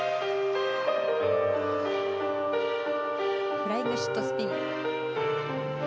フライングシットスピン。